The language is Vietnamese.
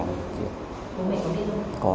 bố mẹ có biết không